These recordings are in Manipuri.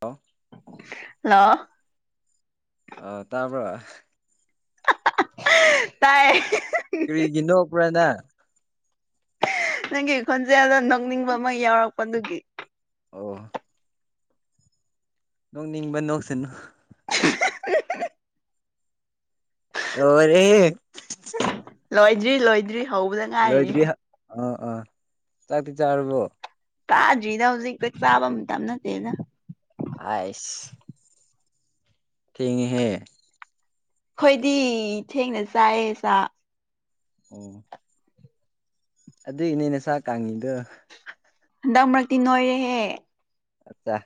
ꯍꯜꯂꯣ ꯂꯥꯛꯑꯣ ꯑ ꯇꯥꯕ꯭ꯔꯥ [inaudible] ꯇꯥꯏ ꯀ ꯏꯟꯅꯣ ꯑꯣꯄ꯭ꯔꯅ ꯅꯪꯒꯤ ꯈꯣꯟꯖꯦꯜꯗꯣ ꯅꯣꯛꯅꯤꯡꯕ ꯑꯃ ꯌꯥꯎꯔꯛꯄꯗꯨꯒꯤ ꯑꯣ ꯅꯣꯡꯅꯤꯕꯟ ꯅꯣꯁꯤꯅ [inaudible] ꯑꯣꯔꯦ ꯂꯗ꯭ꯔꯤ ꯂꯣꯏꯗ꯭ꯔꯤ ꯍꯧꯕꯗ ꯉꯥꯏꯔꯤ ꯑꯥ ꯑꯥ ꯆꯥꯛꯇꯤ ꯆꯥꯨꯔꯕꯣ ꯆꯥꯗ꯭ꯔꯤꯗ ꯍꯧꯖꯤꯛꯇ ꯆꯥꯕ ꯃꯇꯝ ꯅꯠꯇꯦꯗ ꯑꯁ ꯊꯦꯡꯉꯦꯍꯦ ꯍꯣꯏꯗꯤ ꯊꯦꯡꯅ ꯆꯥꯏꯌꯦ ꯆ ꯑꯣ ꯑꯗꯨꯏ ꯏꯅꯦꯅꯦ ꯆ ꯀꯥꯡꯉꯤꯗꯣ ꯍꯟꯗꯛ ꯃꯔꯛꯇꯤ ꯅꯣꯏꯔꯦꯍꯦ ꯑꯆꯥ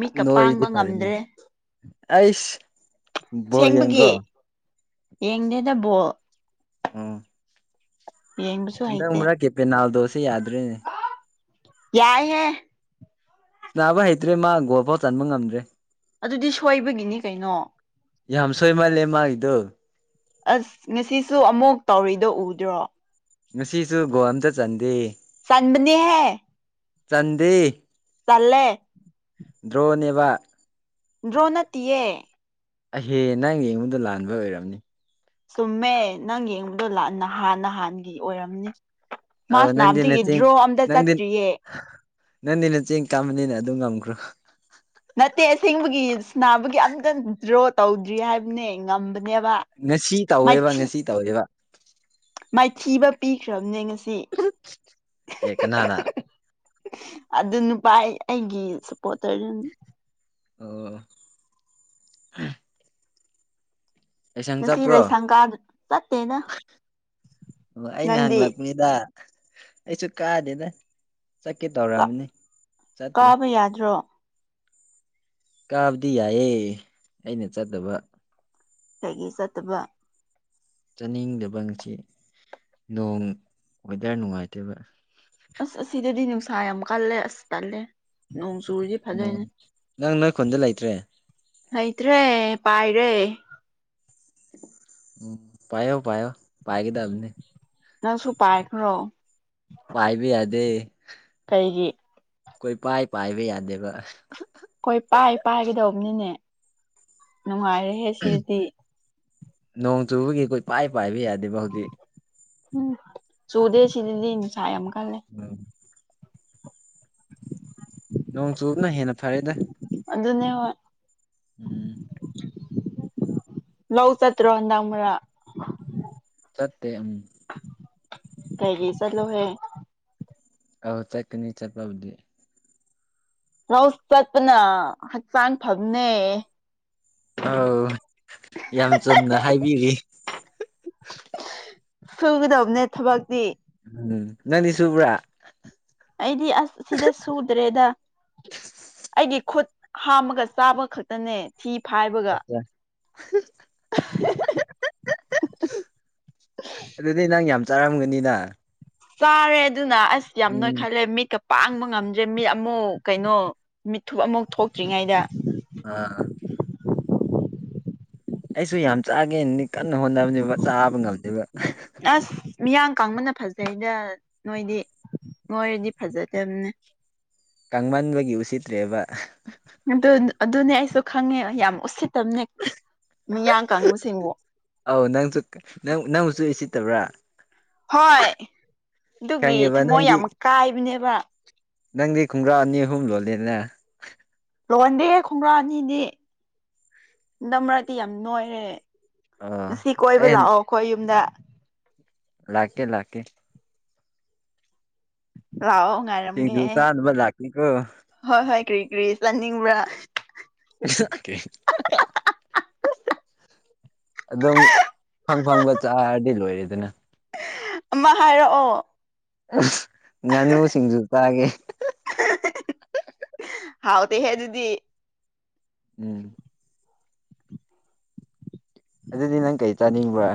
ꯃꯤꯠꯀ ꯅꯣꯏꯗꯤ ꯄꯥꯡꯕ ꯐꯔꯅꯦ ꯉꯝꯗ꯭ꯔꯦ ꯑꯩꯁ ꯕꯧ ꯌꯦꯡꯗ꯭ꯔꯣ ꯌꯦꯡꯗꯦꯗꯕꯣ ꯎꯝ ꯌꯦꯡꯕꯁꯨ ꯍꯟꯗꯛ ꯍꯩꯇꯦ ꯎ꯭ꯔꯛ ꯀꯦꯞꯦ ꯅꯅꯥꯎꯗꯣ ꯁꯤꯦ ꯌꯥꯗ꯭ꯔꯦꯅꯦ ꯌꯥꯏ ꯍ ꯅꯥꯕ ꯍꯩꯇ꯭ꯔꯦ ꯃꯥ ꯒꯣꯜꯐꯥꯎ ꯆꯟꯕ ꯉꯝꯗ꯭ꯔꯦ ꯑꯗꯨꯗꯤ ꯁꯣꯏꯕꯒꯤꯅꯤ ꯀꯩꯅꯣ ꯌꯥꯝ ꯁꯣꯏ ꯃꯥꯜ ꯂꯩꯦ ꯃꯥꯒꯤꯗꯨ ꯑꯁ ꯉꯁꯤꯁꯨ ꯑꯃꯨꯛ ꯇꯧꯔꯤꯗꯣ ꯎꯗ꯭ꯔꯣ ꯉꯁꯤꯁꯨ ꯒꯣ ꯑꯝꯇ ꯆꯥꯟꯗꯦ ꯑꯟꯗꯅꯦ ꯍꯥꯏ ꯆꯗ ꯇꯂꯦ ꯗ꯭ꯔꯣꯅꯤꯕ ꯗ꯭ꯔꯣꯅ ꯇꯦ ꯑꯩꯍꯦ ꯅꯪ ꯌꯦꯡꯉꯨꯗ ꯂꯥꯟꯕ ꯑꯣꯏꯔꯝꯅꯤ ꯆꯨꯝꯃꯦ ꯅꯪ ꯌꯦꯡꯕꯗꯣ ꯅꯍꯥꯟ ꯅꯍꯥꯟꯒꯤ ꯑꯣꯏꯔꯝꯅꯤ ꯑꯧ ꯃꯥꯁ ꯅꯪꯗꯤ ꯅꯥꯞꯇꯒꯤ ꯗ꯭ꯔꯣ ꯑꯝꯇ ꯆꯠꯇ꯭ꯔꯤꯌꯦ ꯅꯪꯅꯤꯅ ꯆꯦꯡ ꯀꯥꯃꯅꯤꯅ ꯑꯗꯨꯝ ꯉꯝꯈ꯭ꯔꯣ ꯅꯠꯇꯦ ꯑꯁꯦꯡꯕꯒꯤ ꯅꯥꯕꯒꯤ ꯑꯝꯇ ꯗ꯭ꯔꯣ ꯇꯧꯗ꯭ꯔꯤ ꯍꯥꯏꯕꯅꯦ ꯉꯝꯕꯅꯤ ꯉꯁꯤ ꯇꯧꯋꯦꯕ ꯉꯁꯤ ꯇꯧꯋꯦꯕ ꯃꯥꯏꯊꯤꯕ ꯄꯤꯈ꯭ꯔꯕꯅꯦ ꯉꯁꯤ ꯑꯦ ꯀꯅꯥꯅ ꯑꯗꯨ ꯅꯨꯄꯥ ꯑꯩꯒꯤ ꯁꯞꯄꯣꯔꯇꯔꯗꯨ ꯑꯣ ꯂꯩꯁꯪ ꯉꯁꯤ ꯆꯠꯄ꯭ꯔꯣ ꯂꯩꯁꯪꯒꯥꯗ ꯆꯠꯇꯦꯅ ꯑꯣ ꯑꯩꯅ ꯅꯪꯗꯤ ꯍꯪꯂꯛꯄꯅꯤꯗ ꯑꯩꯁꯨ ꯀꯥꯗꯦꯗ ꯆꯠꯀꯦ ꯇꯧꯔꯃꯤꯅꯤ ꯆꯠꯇ꯭ꯔꯦ ꯀꯥꯕ ꯌꯥꯗ꯭ꯔꯣ ꯀꯥꯕꯗꯤ ꯌꯥꯏꯑꯦ ꯑꯩꯅ ꯆꯠꯇꯕ ꯍꯥꯏꯒꯤ ꯆꯠꯇꯕ ꯆꯥꯅꯤꯡꯗꯕ ꯉꯁꯤ ꯅꯣꯡ ꯋꯦꯗꯔ ꯅꯨꯡꯉꯥꯏꯇꯦꯕ ꯁꯝ ꯀꯥꯜꯂ ꯑꯁꯇꯥꯂ ꯎꯝ ꯅꯪ ꯅꯣꯏ ꯈꯨꯟꯗ ꯂꯩꯇ꯭ꯔꯦ ꯍꯩꯇ꯭ꯔꯦ ꯄꯥꯏꯔꯦ ꯎꯝ ꯄꯥꯏꯣ ꯄꯥꯏꯌꯣ ꯄꯥꯏ ꯀꯗ ꯑꯝꯅꯤ ꯅꯪꯁꯨ ꯄꯥꯏꯈ꯭ꯔꯣ ꯄꯥꯏꯕꯤ ꯌꯥꯗꯦ ꯀꯩꯒꯤ ꯀꯣꯏ ꯄꯥꯏ ꯄꯥꯏꯕ ꯌꯥꯗꯦꯕ ꯍꯣꯏ ꯄꯥꯏ ꯄꯥꯏꯒꯗꯧꯕꯅꯤꯅꯦ ꯅꯨꯡꯉꯥꯏꯔꯦꯍꯦ ꯁꯤꯗꯤ ꯅꯣꯡ ꯆꯨꯕꯒꯤ ꯑꯩꯈꯣꯏ ꯄꯥꯏ ꯄꯥꯏꯕ ꯌꯥꯗꯦꯕ ꯍꯧꯖꯤꯛ ꯎꯝ ꯆꯨꯗꯦꯁꯤꯤꯗꯤ ꯁ ꯎꯝ ꯅꯣꯡ ꯆꯨꯞꯨꯞꯅ ꯍꯦꯟꯅ ꯐꯔꯦꯗ ꯑꯗꯨꯗꯅꯦ ꯎꯝ ꯂꯧꯧ ꯆꯠꯇ ꯔꯣꯗꯥꯔ ꯆꯠꯦ ꯎꯝ ꯀꯩꯒꯤ ꯆꯂꯣꯍꯦ ꯑ ꯆꯀꯅꯤ ꯆꯠꯄꯕꯗꯤ ꯔꯧꯁ ꯆꯠꯄꯅ ꯍꯛꯆꯥꯡ ꯐꯝꯅꯦ ꯑꯥꯎ ꯌꯥꯝ ꯆꯨꯝꯅ ꯍꯥꯏꯕꯤꯔꯤ ꯁꯨꯒꯗꯕꯅꯦ ꯊꯕꯛꯇꯤ ꯎꯝ ꯅꯅꯤꯁꯨꯨ ꯄꯨꯔꯥ ꯑꯩꯗꯤ ꯑꯁ ꯁꯤꯗ ꯁꯨꯗ꯭ꯔꯦꯗ ꯑꯩꯒꯤ ꯈꯨꯠ ꯍꯥꯝꯃꯒ ꯆꯥꯕ ꯈꯛꯇꯅꯦ ꯊꯤ ꯐꯥꯏꯕꯒ ꯑꯠꯆꯥ ꯑꯗꯨꯗꯤ ꯅꯪ ꯌꯥꯝ ꯆꯥꯔꯝꯒꯅꯤꯅ ꯆꯥꯔꯦ ꯑꯗꯨꯅ ꯑꯁ ꯌꯥꯝ ꯎꯝ ꯅꯣꯏꯈꯜꯂꯦ ꯃꯤꯠꯀ ꯄꯥꯡꯕ ꯉꯝꯗ꯭ꯔꯦ ꯃꯤꯠ ꯑꯃꯨꯛ ꯀꯩꯅꯣ ꯃꯤꯠꯊꯨꯞ ꯑꯃꯨꯛ ꯊꯣꯛꯇ꯭ꯔꯤꯉꯩꯗ ꯑꯥ ꯑꯩꯁꯨ ꯌꯥꯝ ꯆꯥꯒꯦ ꯀꯟꯅ ꯍꯣꯠꯅꯕꯅꯦꯕ ꯆꯥꯕ ꯉꯝꯗꯦꯕ ꯃꯤꯌꯥꯝ ꯀꯥꯡꯕꯅ ꯐꯖꯩꯗ ꯅꯣꯏꯗꯤ ꯅꯣꯏꯔꯗꯤ ꯐꯖꯗꯕꯅꯦ ꯀꯥꯡꯃꯟꯕꯒꯤ ꯎꯁꯤꯠꯇ꯭ꯔꯦꯕ ꯑꯗꯨ ꯑꯗꯨꯅꯦ ꯑꯩꯁꯨ ꯈꯪꯉꯦ ꯌꯥꯝ ꯎꯁꯤꯠ ꯑꯥꯎ ꯅꯪꯁꯨ ꯅꯪ ꯅꯪꯁꯨꯁꯤ ꯇꯕꯔꯥ ꯍꯣꯏ ꯑꯗꯨꯒꯤ ꯈꯪꯉꯦꯕ ꯊꯃꯣꯏ ꯅꯪꯗꯤ ꯌꯥꯝ ꯀꯥꯏꯕꯅꯦꯕ ꯅꯪꯗꯤ ꯈꯨꯡꯒ꯭ꯔꯥ ꯑꯅꯤ ꯑꯍꯨꯝ ꯂꯣꯂꯦꯅꯦ ꯂꯨꯟꯗꯦ ꯈꯣꯡꯒ꯭ꯔꯥ ꯑꯅꯤꯗꯤ ꯗ ꯃꯔꯛꯇꯤ ꯌꯥꯝ ꯅꯣꯏꯔꯦ ꯑꯣ ꯉꯁꯤ ꯀꯣꯏꯕ ꯑꯩ ꯂꯥꯛꯑꯣ ꯑꯩꯈꯣꯏ ꯌꯨꯝꯗ ꯂꯥꯛꯀꯦ ꯂꯥꯛꯀꯦ ꯂꯥꯛꯑꯣ ꯉꯥꯏꯔꯝꯒꯦ ꯁꯤꯡꯖꯨ ꯑꯩ ꯆꯥꯅꯕ ꯂꯥꯛꯀꯦꯀꯣ ꯍꯣꯏ ꯍꯣꯏ ꯀ꯭ꯔꯤ ꯀꯔꯤ ꯆꯠꯅꯤꯡꯕ꯭ꯔꯥ [unintelligible] ꯑꯗꯨꯝ ꯐꯪ ꯐꯪꯕ ꯆꯥꯔꯗꯤ ꯂꯣꯏꯔꯦꯗꯅ ꯑꯃ ꯍꯥꯏꯔꯛꯑꯣ ꯉꯥꯅꯨ ꯁꯤꯡꯖꯨ ꯆꯥꯒꯦ ꯍꯥꯎ ꯇꯍꯦ ꯑꯗꯨꯗꯤ ꯎꯝ ꯑꯗꯨꯗꯗꯤ ꯅꯪ ꯀꯩ ꯆꯥꯅꯤꯡꯕ꯭ꯔ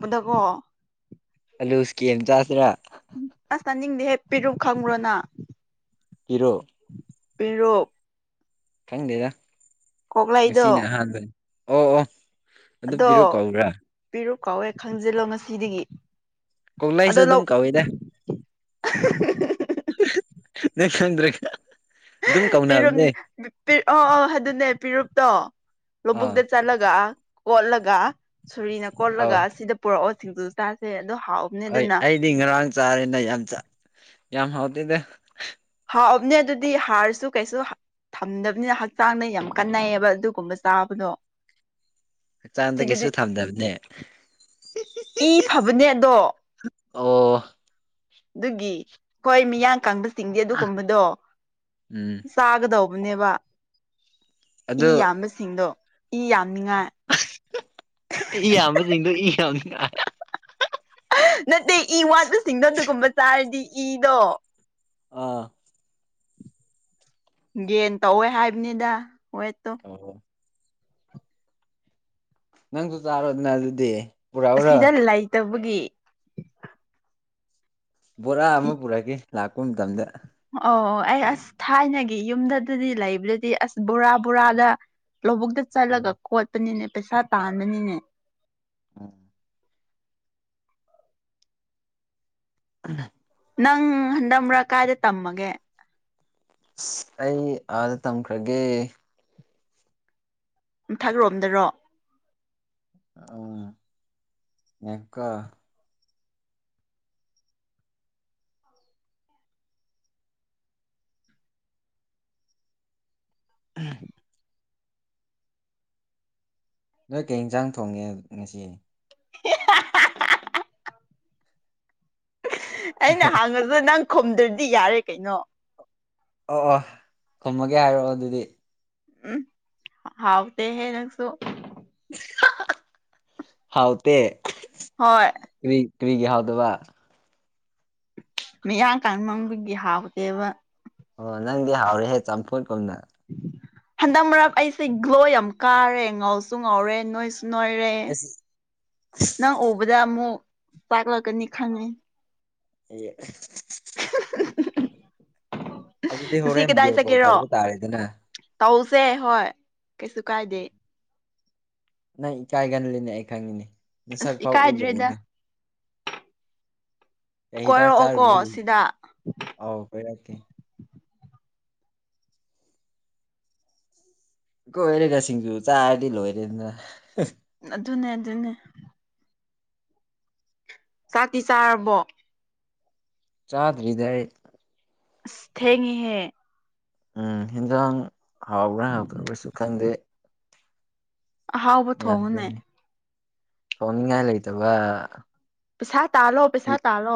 [unintelligible] ꯒꯣ ꯑꯂꯨꯁꯀꯤꯝ ꯆꯥꯁꯤꯔ ꯎ ꯑꯁ ꯇꯥꯅꯤꯡꯗꯦ ꯍꯦꯛ ꯄꯤꯔꯨ ꯈꯪꯉ꯭ꯔꯣꯅ ꯄꯤꯔꯣ ꯄꯦꯔꯣꯞ ꯈꯪꯗꯦꯗ ꯀꯣꯛꯂꯩꯗꯣ ꯁꯤꯅ ꯑꯍꯥꯟꯕꯅꯤ ꯑꯣ ꯑꯣ ꯑꯗꯨ ꯄꯤꯔꯨꯛ ꯀꯧꯕ꯭ꯔꯥ ꯀꯥꯎꯋꯦ ꯈꯪꯖꯤꯜꯂꯣ ꯉꯁꯤꯗꯒꯤ ꯀꯣꯛꯂꯏꯁꯨ ꯑꯗꯣ ꯂꯧ ꯑꯗꯨꯝ ꯀꯋꯗ ꯅ ꯈꯪꯗ꯭ꯔꯦ ꯄꯔꯨꯞ ꯑ ꯑ ꯑꯗꯨꯅꯦ ꯄꯦꯔꯨꯞꯇꯣ ꯑꯥ ꯂꯧꯕꯨꯛꯇ ꯆꯠꯂꯒ ꯀꯣꯠꯂꯒ ꯁꯣꯔꯤꯅ ꯑꯧ ꯀꯣꯠꯂꯒ ꯁꯤꯗ ꯄꯨꯔꯛꯑꯣ [unintelligible] ꯍꯣꯏ ꯑꯗꯨꯅ ꯑꯩꯗꯤ ꯉꯔꯥꯡ ꯆꯥꯔꯦꯅ ꯌꯥꯝ ꯌꯥꯝ ꯍꯥꯎꯇꯦꯗ ꯍꯥꯥꯎꯑꯕꯅꯦ ꯑꯗꯨꯗꯤ ꯍꯥꯔꯁꯨ ꯀꯩꯁꯨ ꯊꯝꯗꯕꯅꯤꯅ ꯍꯛꯆꯥꯡꯗ ꯌꯥꯝ ꯀꯥꯟꯟꯅꯩꯑꯌꯦꯕ ꯑꯗꯨꯒꯨꯝꯕ ꯆꯥꯕꯗꯣ ꯍꯛꯆꯥꯡꯗ ꯁꯤꯗꯗꯤ ꯀꯩꯁꯨ ꯊꯝꯗꯕꯅꯦ ꯏ ꯐꯕꯅꯦꯗꯣ ꯑꯣ ꯑꯗꯨꯒꯤ ꯍꯣꯏ ꯃꯤꯌꯥꯟ ꯀꯥꯡꯕ ꯆꯤꯡꯗꯤ ꯑꯗꯨꯒꯨꯝꯕꯗꯣ ꯎꯝ ꯆꯥꯒꯗꯧꯕ ꯅꯦꯕ ꯏ ꯑꯗꯨ ꯌꯥꯝꯕꯁꯤꯡꯗꯣ ꯏ ꯌꯥꯝꯅꯤꯡꯉꯥꯏ [unintelligible] ꯅꯠꯇꯦ ꯏ ꯋꯥꯠꯄꯁꯤꯡꯗꯣ ꯑꯗꯨꯒꯨꯝꯕ ꯆꯥꯔꯗꯤ ꯏꯗꯣ ꯑꯥ ꯒꯦꯟ ꯇꯧꯋꯦ ꯍꯥꯏꯕꯅꯤꯗ ꯋꯦꯠꯇꯣ ꯑꯣ ꯅꯪꯁꯨ ꯆꯑꯔꯗꯅ ꯑꯗꯨꯗꯤ ꯄꯨꯔꯛꯎꯔꯣ ꯑꯁꯤꯗ ꯂꯩꯇꯕꯒꯤ ꯕꯣꯔꯥ ꯑꯃ ꯄꯨꯔꯛꯀꯦ ꯂꯥꯛꯄ ꯃꯇꯝꯗ ꯑꯣ ꯑꯣ ꯑꯩ ꯑꯁ ꯊꯥꯏꯅꯒꯤ ꯌꯨꯝꯗꯗꯄꯗꯤ ꯂꯩꯕꯗꯗꯤ ꯑꯁ ꯕꯣꯔꯥ ꯕꯣꯔꯥꯗ ꯂꯧꯕꯨꯛꯇ ꯆꯠꯂꯒ ꯎꯝ ꯈꯣꯠꯄꯅꯤꯅꯦ ꯄꯩꯁꯥ ꯇꯥꯟꯕꯅꯤꯅꯦ ꯑꯝ ꯑꯗ [inaudible] ꯅꯪ ꯍꯟꯗꯝꯔꯛ ꯀꯥꯏꯗ ꯇꯝꯃꯒꯦ ꯑꯁ ꯑꯩ ꯑꯥꯗ ꯇꯝꯈ꯭ꯔꯒꯦ ꯊꯛ ꯔꯣꯝꯗꯔꯣ ꯎꯝ [unintelligible] [unintelligible] ꯅꯣꯏ ꯀꯩ ꯏꯟꯖꯥꯡ ꯊꯣꯡꯉꯦ ꯉꯁꯤ [unintelligible] ꯑꯩꯅ ꯍꯥꯡꯉꯁꯨꯗ ꯅꯪ ꯈꯨꯝꯗ꯭ꯔꯗꯤ ꯌꯥꯔꯦ ꯀꯩꯅꯣ ꯑꯣ ꯑꯣ ꯈꯨꯝꯃꯒꯦ ꯍꯥꯏꯔꯛꯑꯣ ꯑꯗꯨꯗꯤ ꯎꯝ ꯍꯥꯎꯇꯦ ꯍꯦ ꯅꯪꯁꯨ [unintelligible] ꯍꯥꯎ ꯇꯦ ꯍꯣꯏ ꯀꯔꯤꯒꯤ ꯍꯥꯎꯇꯕ ꯃꯤꯌꯥ ꯀꯥꯟ ꯃꯪꯗꯨꯒꯤ ꯍꯥꯎꯗꯦꯕ ꯑꯣ ꯅꯪꯗꯤ ꯍꯥꯎꯔꯤꯍꯦ ꯆꯝꯐꯨꯠꯀꯨꯝꯅ ꯍꯟꯗꯛ ꯃꯔꯛ ꯑꯩꯁꯦ ꯒ꯭ꯂꯣ ꯌꯥꯝ ꯀꯥꯔꯦ ꯉꯥꯎꯁꯨ ꯉꯥꯎꯔꯦ ꯅꯣꯏꯁꯨ ꯅꯣꯏꯔꯦ ꯑꯁ ꯅꯪ ꯎꯕꯗ ꯑꯃꯨꯛ ꯆꯥꯛꯂꯛꯀꯅꯤ ꯈꯪꯉꯤ ꯌꯦ ꯁꯤ ꯍꯣꯔꯦꯟ ꯀꯗꯥꯏ ꯚꯤꯗꯤꯑꯣ ꯀꯣꯜ ꯆꯒꯦꯔꯣ ꯇꯧꯕ ꯇꯥꯔꯦꯗꯅ ꯇ ꯁꯦ ꯍꯣꯏ ꯀꯩꯁꯨ ꯀꯥꯏꯗꯦ ꯅꯪ ꯏꯀꯥꯏꯒꯜꯂꯤꯅꯦ ꯑꯩ ꯈꯪꯉꯤꯅꯦ ꯅꯪ ꯑꯁ ꯁꯛꯐꯥꯎ ꯏꯀꯥꯏꯗ꯭ꯔꯦꯗ ꯎꯠꯂꯣꯏꯅꯦ ꯑꯦꯗꯥꯛ ꯆꯥꯕꯨ ꯀꯣꯏꯔꯛꯑꯣꯀꯣ ꯁꯤꯗ ꯑꯥꯎ ꯀꯔꯦ [unintelligible] ꯀꯣꯏꯔꯒ ꯁꯤꯡꯖꯨ ꯆꯔꯗꯤ ꯂꯣꯏꯔꯦꯅ ꯑꯗꯨꯅꯦ ꯑꯗꯨꯅꯦ ꯆꯥꯇꯤ ꯆꯥꯔꯕꯣ ꯆꯥꯗꯔꯤꯗ ꯑꯩ ꯑꯁ ꯊꯦꯡꯉꯤꯍꯦ ꯎꯝ ꯍꯟꯖꯥꯡ ꯍꯥꯎꯕ꯭ꯔꯥ ꯍꯥꯎꯇꯕ꯭ꯔꯁꯨ ꯈꯟꯗꯦ ꯍꯥꯎꯕ ꯊꯣꯉꯣꯅꯦ ꯁꯣꯅꯤꯡ ꯀ ꯂꯩꯇꯕ ꯄꯩꯁꯥ ꯇꯥꯜꯂꯣ ꯄꯩꯁꯥ ꯌꯦ- ꯇꯥꯜꯂꯣ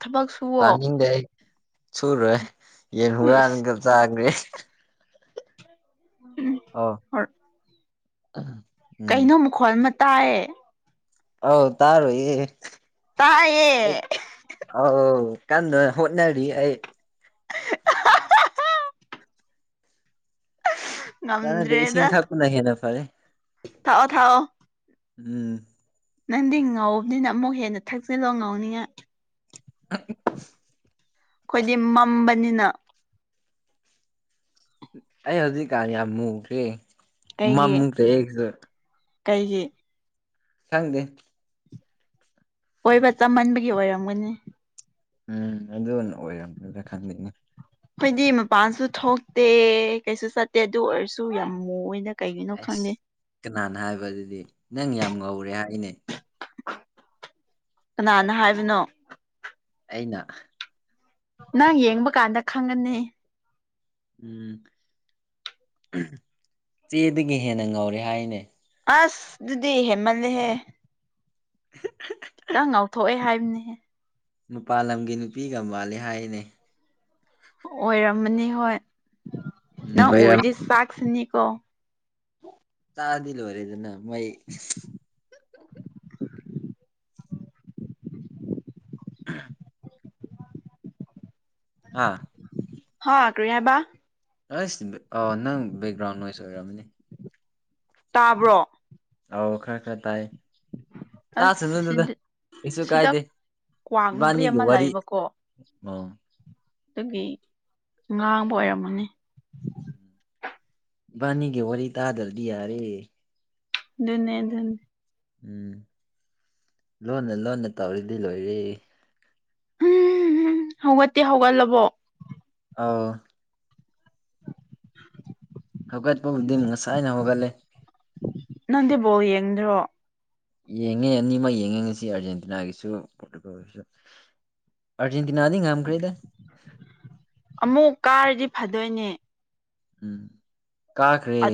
ꯊꯕꯛ ꯁꯨꯋꯣ ꯆꯨꯨꯔꯦ ꯌꯦꯟ ꯍꯨꯨꯔ ꯏꯁ ꯑꯟꯒꯆꯥ ꯍꯥꯏꯒ꯭ꯔꯤ ꯎꯝ ꯑ ꯀꯩꯅꯣ ꯃꯈꯣꯜ ꯑꯃ ꯇꯥꯏꯌꯦ ꯑꯧ ꯇꯔꯨ ꯏ ꯇꯥꯏꯌꯦ ꯑ ꯀꯗ ꯍꯣꯠꯅꯔꯤ ꯑꯩ [unintelligible] [unintelligible] ꯀꯥꯟꯅꯗꯦ ꯏꯁꯤꯡ ꯊꯥꯛꯄꯅ ꯍꯦꯟꯅ ꯐꯔꯦ ꯊꯥꯑꯣ ꯊꯥꯑꯣ ꯎꯝ ꯅꯪꯗꯤ ꯉꯥꯎꯕꯅꯤꯅ ꯑꯃꯨꯛ ꯍꯦꯟꯅ ꯊꯛꯆꯤꯜꯂꯣ ꯉꯥꯎꯅꯤꯡꯉꯥꯏ ꯈꯣꯏꯗꯤ ꯃꯝꯕꯅꯤꯅ ꯑꯩ ꯍꯧꯖꯤꯛꯀꯥꯟ ꯌꯥꯝ ꯃꯨꯈꯔꯦ ꯀꯩꯒꯤ ꯃꯝꯈꯔꯦ ꯀꯩꯒꯤ ꯈꯪꯗꯦ ꯀꯣꯏꯕ ꯆꯃꯟꯕꯒꯤ ꯑꯣꯏꯔꯝꯒꯅꯤ ꯎꯝ ꯑꯗꯨꯅ ꯑꯣꯏꯔꯝꯒꯗꯔ ꯈꯪꯗꯦꯅꯦ꯫ ꯑꯩꯈꯣꯏꯗꯤ ꯃꯄꯥꯟꯁꯨ ꯊꯣꯛꯇꯦ ꯀꯩꯁꯨ ꯆꯠꯇꯦ ꯑꯗꯨ ꯑꯣꯏꯔꯁꯨ ꯌꯥꯝ ꯃꯨꯌꯦꯗ꯫ ꯑꯁ ꯀꯅꯥꯅ ꯍꯥꯏꯕ ꯑꯗꯨꯗꯤ ꯅꯪ ꯌꯥꯝ ꯉꯧꯔꯦ ꯍꯥꯏꯅꯦ꯫ ꯀꯅꯥꯅ ꯍꯥꯏꯕꯅꯣ꯫ ꯑꯩꯅ꯫ ꯅꯪ ꯌꯦꯡꯕ ꯀꯥꯟꯗ ꯈꯪꯒꯅꯤ꯫ ꯎꯝ ꯆꯦꯗꯒꯤ ꯍꯦꯟꯅ ꯉꯧꯔꯦ ꯍꯥꯏꯅꯦ꯫ ꯑꯁ ꯑꯗꯨꯗꯤ ꯍꯦꯟꯃꯥꯜꯂꯦꯍꯦ꯫ [inaudible] ꯈꯤꯇꯪ ꯉꯥꯎꯊꯣꯛꯑꯦ ꯍꯥꯏꯕꯅꯤꯍꯦ꯫ ꯅꯨꯄꯥꯜ ꯂꯝꯒꯤ ꯅꯨꯄꯤꯒ ꯃꯥꯜꯂꯦ ꯍꯥꯏꯌꯦꯅꯦ꯫ ꯑꯣꯏꯔꯝꯃꯅꯤ ꯍꯣꯏ ꯎꯝ ꯅꯪ ꯎꯔꯗꯤ ꯆꯥꯛ ꯆꯥꯅꯤꯀꯣ꯫ ꯆꯥꯛꯑꯗꯤ ꯂꯣꯏꯔꯦꯗꯅ ꯃꯩ꯫ [unintelligible] ꯑꯥ꯫ ꯍꯥ ꯀ꯭ꯔꯤꯍꯥꯏꯕ꯫ ꯑꯁ ꯅꯪ ꯕꯦꯛꯒ꯭ꯔꯥꯎꯟ ꯅꯣꯏꯁ ꯑꯣꯏꯔꯝꯃꯅꯤ꯫ ꯇꯥꯕ꯭ꯔꯣ ꯑꯧ ꯈꯔ ꯈꯔ ꯇꯥꯏ ꯑꯁ ꯇꯥꯁꯅꯨꯅꯨꯗ ꯁꯤꯗ ꯀꯩꯁꯨ ꯁꯤꯗ ꯀꯥꯏꯗꯦ꯫ ꯀ꯭ꯋꯥꯛ ꯅꯨꯄꯤ ꯏꯕꯥꯅꯤꯒꯤ ꯑꯃ ꯋꯥꯔꯤ ꯂꯩꯕꯀꯣ ꯑꯣ ꯑꯗꯨꯒꯤ ꯉꯥꯡꯕ ꯑꯣꯏꯔꯝꯒꯅꯤ꯫ ꯏꯕꯅꯤꯒꯤ ꯋꯥꯔꯤ ꯇꯥꯗ꯭ꯔꯗꯤ ꯌꯥꯔꯦ꯫ ꯑꯗꯨꯅꯦ ꯑꯗꯨꯅꯦ꯫ ꯎꯝ ꯂꯣꯟꯅ ꯂꯣꯟꯅ ꯇꯧꯔꯤꯗꯤ ꯂꯣꯏꯔꯦ꯫ ꯎꯝ ꯍꯧꯒꯠꯇꯦ ꯍꯧꯒꯠꯂꯕꯣ꯫ ꯑꯧ ꯍꯧꯒꯠꯄꯕꯨꯗꯤ ꯉꯁꯥꯏꯅ ꯍꯧꯒꯠꯂꯦ꯫ ꯅꯪꯗꯤ ꯕꯣꯜ ꯌꯦꯡꯗ꯭ꯔꯣ꯫ ꯌꯦꯡꯉꯦ ꯑꯅꯤꯃꯛ ꯌꯦꯡꯉꯉꯁꯤ ꯑꯥꯔꯖꯦꯟꯇꯤꯅꯥꯒꯤꯁꯨ ꯄꯣꯔꯇꯨꯒꯜꯒꯤꯁꯨ ꯑꯥꯔꯖꯦꯟ ꯇꯤꯅꯗꯤ ꯉꯝꯈꯔꯦꯗ꯫ ꯑꯃꯨꯛ ꯀꯥꯔꯗꯤ ꯐꯗꯣꯏꯅꯦ꯫ ꯎꯝ ꯀꯥꯈ꯭ꯔꯦ꯫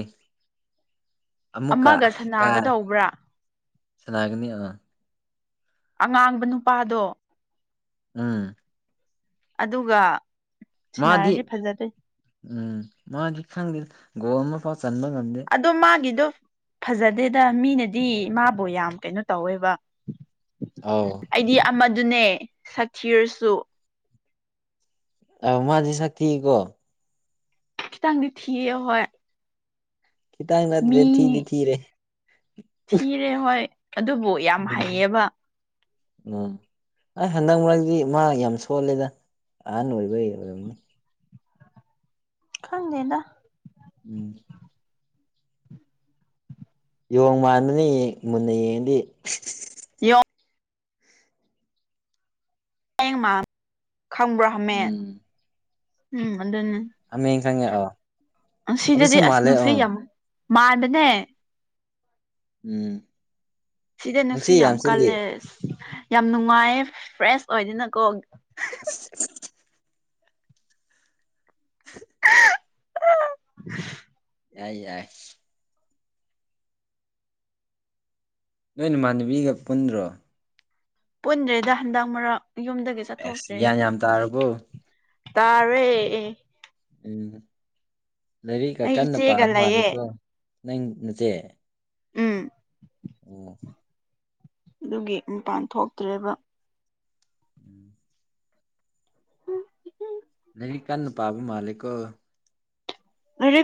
ꯑꯃꯨꯀ ꯑꯃꯒ ꯀꯥꯔ ꯁꯅꯥꯒꯗꯧꯕ꯭ꯔꯥ ꯁꯅꯥꯒꯅꯤ ꯑꯥ ꯫ ꯑꯉꯥꯡꯕ ꯅꯨꯄꯥꯗꯣ꯫ ꯎꯝ ꯑꯗꯨꯒ ꯃꯥꯗꯤ ꯁꯤꯟꯅꯔꯗꯤ ꯐꯖꯗꯣꯏꯅꯤ꯫ ꯎꯝ ꯃꯗꯤ ꯈꯪꯗꯦꯗ ꯒꯣꯜ ꯑꯃꯐꯥꯎ ꯆꯟꯕ ꯉꯝꯗꯦ ꯑꯗꯣ ꯃꯥꯒꯤꯗꯣ꯫ ꯐꯖꯗꯦꯗ ꯃꯤꯅꯗꯤ ꯏꯃꯥꯕꯨ ꯌꯥꯝ ꯀꯩꯅꯣ ꯇꯧꯋꯦꯕ꯫ ꯑꯧ ꯑꯩꯗꯤ ꯑꯃꯗꯨꯅꯦ ꯁꯛꯊꯤꯔꯁꯨ꯫ ꯑꯧ ꯃꯥꯗꯤ ꯁꯛ ꯊꯤꯌꯦꯀꯣ ꯈꯤꯇꯪꯗꯤ ꯊꯤꯌꯦ ꯍꯣꯏ ꯈꯤꯇꯪ ꯅꯠꯇ꯭ꯔꯦ ꯃꯤ ꯊꯤꯗꯤ ꯊꯤꯔꯦ ꯊꯤꯔꯦ ꯍꯣꯏ ꯑꯗꯨꯕꯨ ꯌꯥꯝ ꯍꯩꯌꯦꯕ꯫ ꯎꯝ꯫ ꯑꯩ ꯍꯟꯗꯛ ꯃꯔꯛꯇꯗꯤ ꯃꯥ ꯌꯥꯝ ꯁꯣꯜꯂꯦꯗ ꯑꯍꯟ ꯑꯣꯏꯕꯩ ꯑꯣꯏꯔꯝꯅꯤ꯫ ꯈꯪꯗꯦꯗ ꯎꯝ꯫ ꯌꯣꯡ ꯃꯥꯟꯕꯅꯦ ꯃꯨꯟꯅ ꯌꯦꯡꯉꯗꯤ ꯍꯃꯦꯡ ꯃꯥ [unintelligible] ꯈꯪꯕ꯭ꯔꯥ ꯍꯥꯃꯦꯡ ꯎꯝ ꯎꯝ ꯑꯗꯨꯅꯤ꯫ ꯍꯥꯃꯦꯡ ꯈꯪꯉꯦ ꯑꯣ ꯁꯤꯗꯗꯤ ꯑꯗꯨꯁꯨ ꯑꯁ ꯃꯥꯜꯂꯦ ꯅꯨꯡꯁꯤ ꯑꯣ ꯑꯃꯨꯛ ꯃꯥꯟꯕꯅꯦ ꯎꯝ ꯁꯤꯗ ꯅꯨꯡꯁꯤ ꯅꯨꯡꯁꯤꯠ ꯌꯥꯝ ꯁꯤꯠꯂꯤ ꯀꯜꯂꯦ ꯌꯥꯝ ꯅꯨꯡꯉꯥꯏ ꯐ꯭ꯔꯦꯁ ꯑꯣꯏꯗꯅꯀꯣ [unintelligible] [unintelligible] ꯌꯥꯏ ꯌꯥꯏ ꯅꯣꯏ ꯏꯃꯥꯟꯅꯕꯤꯒ ꯄꯨꯟꯗ꯭ꯔꯣ ꯄꯨꯟꯗ꯭ꯔꯦꯗ ꯍꯟꯗꯛ ꯃꯔꯛ ꯌꯨꯝꯗꯒꯤ ꯑꯁ ꯆꯠꯊꯣꯛꯇ꯭ꯔꯦꯅ ꯒ꯭ꯌꯥꯟ ꯌꯥꯝ ꯇꯥꯔꯕꯣ ꯇꯥꯔꯦ ꯎꯝ ꯂꯥꯏꯔꯤꯛꯒ ꯑꯩ ꯀꯟꯅ ꯏꯆꯦꯒ ꯄꯥꯕ ꯂꯩꯌꯦ ꯃꯥꯜꯂꯤꯀꯣ ꯅꯪ ꯅꯆꯦ ꯎꯝ ꯑꯣ ꯑꯗꯨꯒꯤ ꯃꯄꯥꯟ ꯊꯣꯛꯇ꯭ꯔꯦꯕ ꯎꯝ ꯎ ꯐꯔꯤ ꯀꯥꯟꯟꯅ ꯄꯥꯕ ꯃꯥꯂꯀꯣ ꯑ